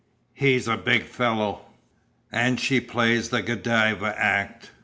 "He's a big fellow and she plays the Godiva act.